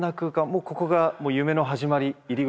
もうここが夢の始まり